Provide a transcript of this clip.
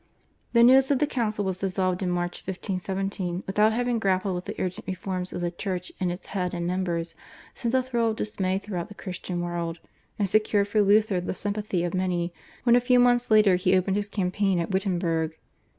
The news that the Council was dissolved in March 1517 without having grappled with the urgent reform of the Church in its head and members, sent a thrill of dismay throughout the Christian world, and secured for Luther the sympathy of many when a few months later he opened his campaign at Wittenberg.